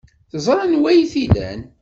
Teẓra anwa ay t-ilan.